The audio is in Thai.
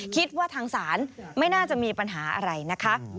คิดว่าทางศาลไม่น่าจะมีปัญหาอะไรนะคะ